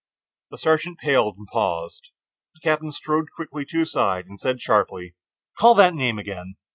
The sergeant paled and paused. The captain strode quickly to his side and said sharply: "Call that name again."